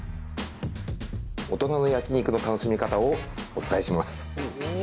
大人の焼き肉の楽しみ方をお伝えします。